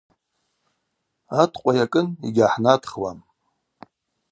Атӏкъва йакӏын йгьгӏахӏнатхуам.